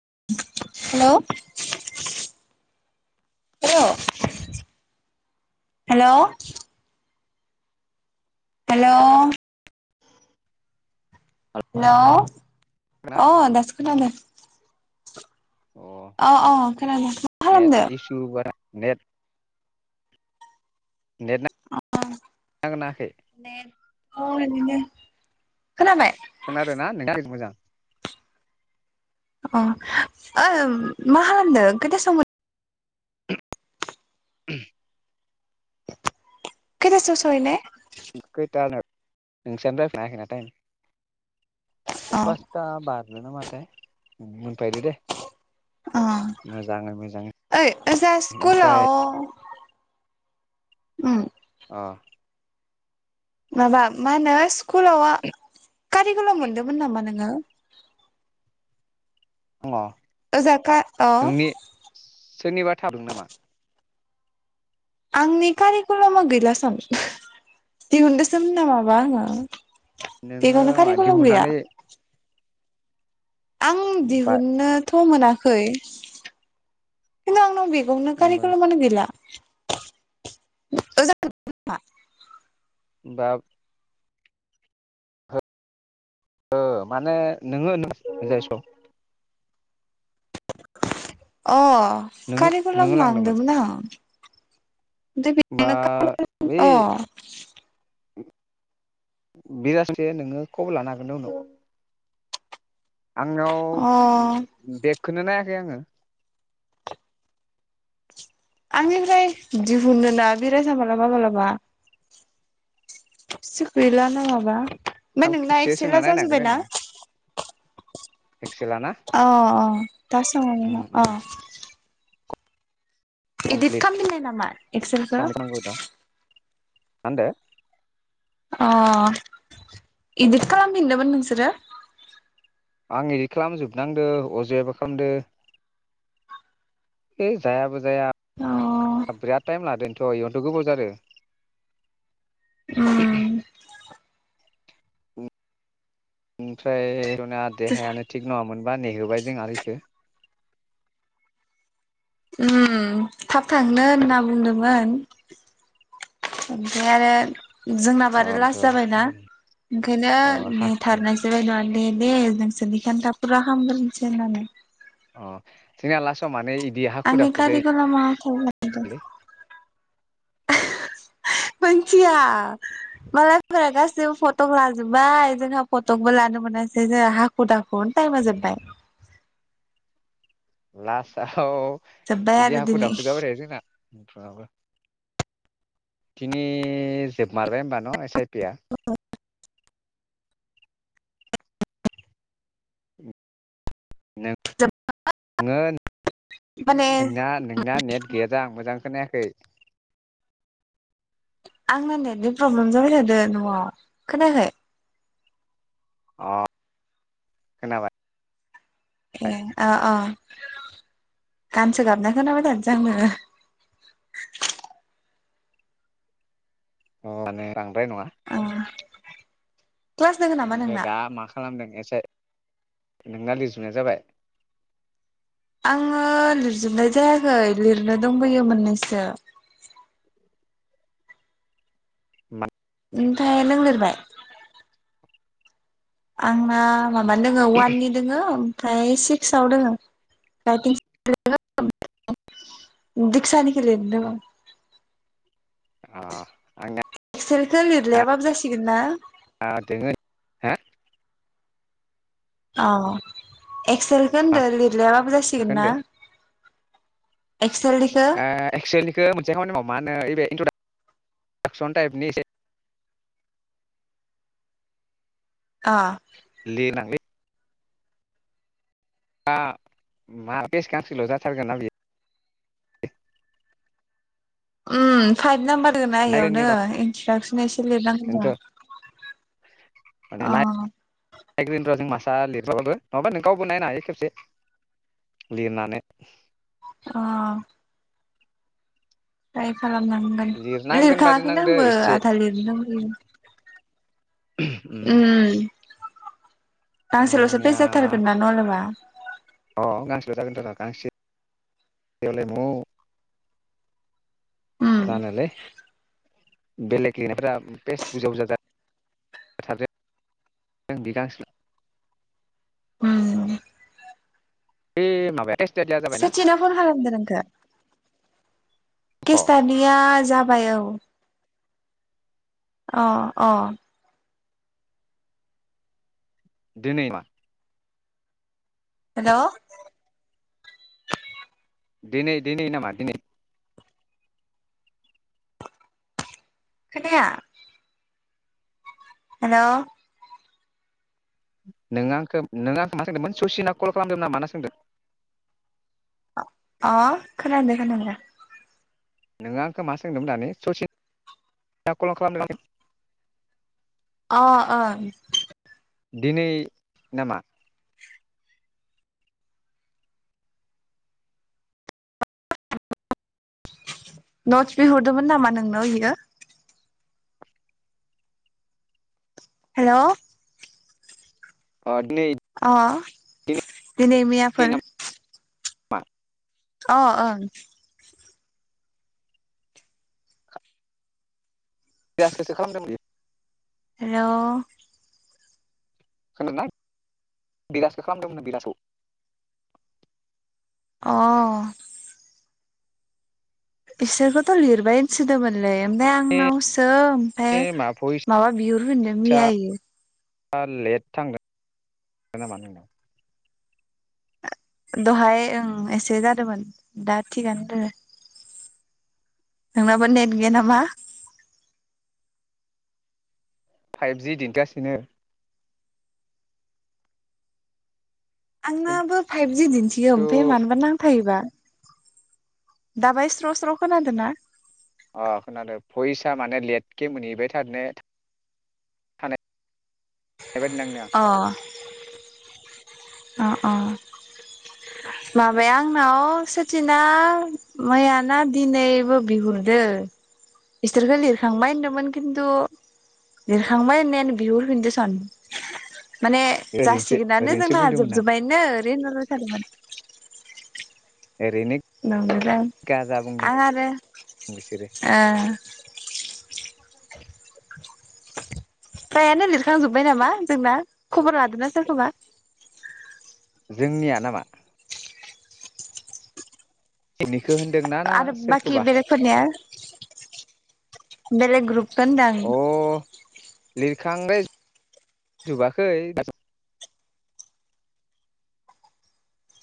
हेल' hello hello hello ना hello अ दासो खोनादों। अ अ खोनादों। मा नेट खालामदो? इसु बा नेट नेट नांगोना नाङाखै [unintelligible] खोनाबाय? खोनादोंना नोंथां [unintelligible] मोजां अ मा खालामदो खोथासं [unintelligible] [inaudible] खैदासोआव सहैनाय [unintelligible] अ फासथा बाथ नङा नाथाय मोनफैदो दे अ मोजाङै मोजाङै। ओइ ओजा ओमफ्राय स्कुलाव ओम अ माबा मा होनो स्कुलावा कारिगुलाव मोनदोंमोन नामा नोङो? दङ ओजाखा ओ नोंनि सोरनिबा थाबोदों नामा आंनि कारिकुलामा गैलासन दिहुनदोंसोम नामाबा आंङो नोङो मा दिहुननानै आं बा दिहुननोथ' मोना खै खिन्थु आंनाव बे गावनो होमबा कारिकलामानो गैला। [unintelligible] बा ओ माने नोङो [unintelligible] जाय सग अ नोङो कारिकलाम लांदोंमोन आं ओमफ्राय होमबा बेयावनो बे अ लासे नोङो खबर लानो हागोन दे उनाव आंनाव अ बेगखौनो नाया खै आङो। आंनिफ्राय दिहुनो ना बिरासा मालाबा मालाबा सोगैला ना माबा आं ओमफाय नोंना खेबसे सोंना एक्सेला नायनांगोन जाजोबबायना ओनो एक्सेलाना अ अ दा सों उम अ। उम इदिट कमप्लिट खालामफिनाय नामा एक्सेलखो साबमिट नांगौ दा मा होनदों अ इदित खालामफिनदोंमोन नोंसोरो आं इदित खालामजोबनांदो अजयाबो खालामदो। ओइ जायाबो जाया अ बिराद टाइम लादोंथ इयनोथ गोबाव जादों। उम ओमफ्राय बिना देहायानो थिग नङामोन बा नेहोबाय जों आरो इखो ओम थाब थांनो होनना बुंदोंमोन ओमफ्राय आरो जोंनाबो आरो अथ' लास्ट जाबायना ओंखायनो अ हाखु नेथारनायसै दे दे नोंसोरनिखौनो थाब फुरा खामगोनसै होननानै। अ जोंनिया लासाव माने इदि हाखु आंनि दाखु जायोलै कारिकलामा [unintelligible] मोनथिया मालायफोरा गासैबो फट'क लाजोबबाय जोंहा फट'बो लानो मोनासै जोंहा हाखु दाखुआवनो टाइमा जोबबाय। लासाव जोबबाय आरो दिनै दिनि जोबमारबाय होनबा न एस आइ पि आ? नो ङो माने नोंना नोंना नेट गैयादां मोजां खोनायाखै आंना नेटनि प्रब्लेम जाबाय थादों न'आव खोनायाखै? अ खोनाबाय ए अ अ गानसो गाबना खोनाबाय थादो जां नोङो? अ माने बांद्राय नङा अ क्लास दोङो नामा ओमफ्राय नोंना दा मा खालामदों एसे? नोंना लिसजुनाया जाबाय? आङो लिरजोबनाय जायाखै लिरनो दंबोयो मोननैसो। ओमफ्राय नों लिरबाय? आंना माबानि दोङो वाननि दोङो ओमफ्राय सिक्साव दोङो [unintelligible] दिक्सानि लिरनो दोङो। अ आंनिया एक्सेल लिरलाया बाबो जासिगोना? आ दोङो हो? अ एक्सेलखो होनदो माखौ लिरलियाबाबो जासिगोन ना? होनदों एक्सेलनिखौ ओ एक्सेलनिखो मोनसे खामानि माव मा होनो ओइबे इन्ट्र'दाकसन टाइपनि एसे अ लेनां लै बा मा पेज गांसेल' जाथारगोन ना बियो उम फाइभ नामबार दोङो ना‌ इयावनो नायग्रोनि र' इन्ट्रदाक्सन एसे लिरनांगोन जां बेनोथ' अ फिसा लिरबाबो नङाबा नों गावबो नायनो हायो खेबसे लिरनानै अ टाइप खालामनांगोन लिरनांगोन बादि लिरखाङाखैनो नांदो आंबो एसे आधा लिरनो दंबोयो। उम [inaudible] गांसेलसो फेस आंनिया जाथारगोन ना नलेबा अ गांसल जागोन थर गांसेयावलाय मौ उम जानोलै बेलेग लिरनायफोरा फेस बुरजा बुरजा जाबाय थादो बि गांसेल उम बै माबाया लै सेथिना फन खालामदो नोंखो? केेस स्टादिया जाबाय औ। अ अ। दिनै मा? हेलौ। दिनै दिनै नामा दिनै? खोनाया। हेलौ। नों आंखौ नों आंखौ मा सोंदोंमोन ससिना कल खालामदों नामा होनना सोंदों? अ खोनादों खोनादों। नोङो आंखौ मा सोंदोंमोन दानि ससिना कल खालामदों। अ अ। दिनै नामा? नटस बिहरदोंमोन नामा नोंनाव इयो? हेलौ। अ दिनै अ। दिनै दिनै मैयाफोर। [unintelligible] अ ओ। बे आसियासो खालामदों [unintelligible] हेल'। खोनादोंना बिलासियाव खालामदोंमोन बिलासियाव। अ। इसोरखौथ' लिरबाय होनसोदोंमोनलै ओमफ्राय आंनावसो सो ओमफ्राय ए मा भइसआ माबा बिहुर होनदों मैया इयो। लेट थांदों थांदों नामा। दहाय ओं एसे जादोंमोन दा थिगानो दङ। नोंनाबो नेट गैया नामा? फाइभजि दिन्थिगासिनो। आंनाबो फाइभजि दिन्थियो ओमफाय खिन्थु मानबा नांथायोबा। दाबाय स्र' स्र' खोनादों ना? अ खोनादों फैसा माने लेटके मोनहैबाय थार ने। बेबायदि नांदों। अ अ अ। माबाया आंनाव। सचिना मैयाना दिनैबो बिहरदो। इसोरखौ लिरखांबाय होनदोंमोन खिन्थु लिरखांबाइ होननायानो बिहरफिन्दों स माने ओरैनोसो जासिगोनानो ओरैनोसो जोंहा बुंदोंमोन आं जोबजोब्बायनो। दे होनहरबाय थादोंमोन। ओरैनो नंदोंदां गाजा बुंदों आं आरो बिसोरो ओ फ्रायानो लिरखांजोब्बाय नामा जोंना खबर लादोंना सोरखौबा? जोंनिया नामा? [unintelligible] ना आरो बाखि सोरखौबा बेलेगफोरनिया? बेलग ग्रुप [unintelligible] लिरखांद्राय जोबाखै।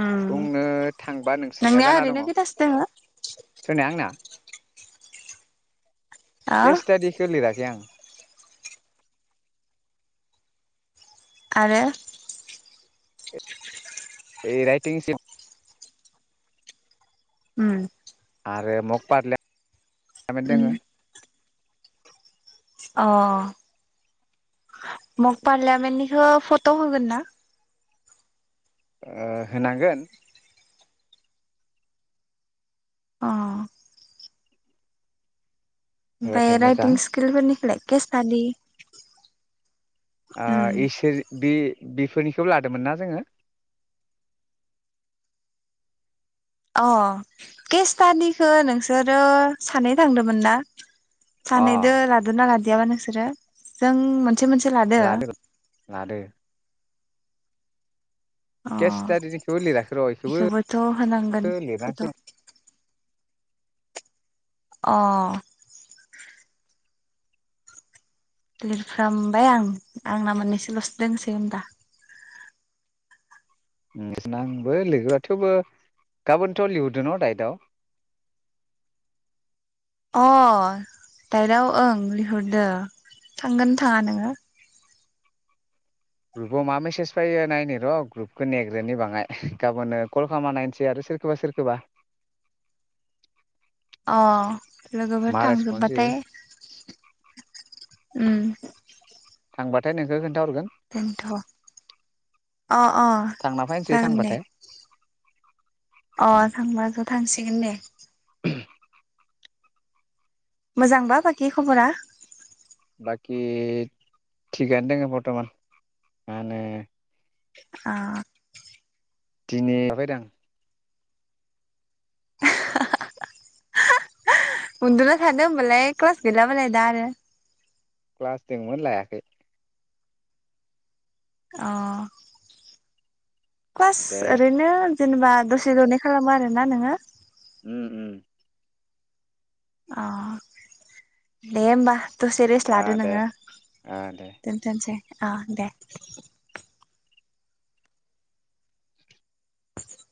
उम बुंनो था नोंनिया ओरैनो खैथासो हो सोरनिया आंना? ओ केस स्टाडिखो लिराखै आं। आरो बे राइटिं सिब उम आरो मग पार्ला यामेन उम दोङो अ मप पार्लियामेन्टनिखो फट' होगोन ना ओ होनांगोन अ ओमफाय होबाथाय मोजां राइटिं स्किलफोरनि खोलाय केस थाडि आ इसोर बि बिफोरनिखौ लादोंमोन ना जोङो अ केेस्टानिखो नोंसोरो सानै थांदोंमोन ना अ सानैदो लादोना लाद- दियाबा नोंसोरो जों मोन- लादों लादों अ केष्टादिनिखौबो लिराखै र' इखोबो बेखौबोथ' होनांगोन फट' लिरनांसिगोन अ लिरफ्रामबाय आं आंना मोननैसल'सो दोनसै होमबा आंबो लिरगोर' थेवबो गाबोनथ' लिहरदो न दाइटआव अ दाइराव ओं लिहरदो थांगोन थाङा नोङो ग्रुपाव मा मेसेज फैयो नायनो र' ग्रुपखो नेग्रोनि बाङाय गाबोननो कल खालामना नायसै आरो सोरखोबा सोरखोबा अ लोगोफोर रेसपन्स होयो थांजोबबाथाय उम थांबाथाय नोंखो खोन मानथ' अ अ थांना फैनोसै जागोन दे थांबाथाय अ थांबा ज थांसिगोन दे उम मोजांबा बाकि खबरा बाखि थिगानो दोङो बर्तमान माने आ दिनि हाबायदां उन्दुना थादो होमबालाय क्लास गैलाबालाय दा आरो क्लास दोंमोन लायाखै अ दे [unintelligible] ओरैनो जेनेबा दसे दनै खालामो आरोना नोङो? ओम ओम अ दे होमबा। दसे रेस्ट आ लादो दे नोङो आ दे दोनथ'नोसै। अ दे